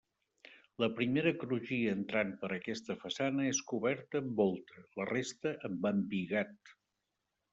La primera crugia entrant per aquesta façana és coberta amb volta: la resta amb embigat.